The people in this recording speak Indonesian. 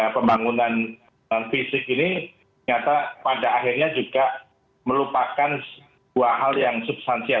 pembangunan fisik ini nyata pada akhirnya juga melupakan sebuah hal yang substansial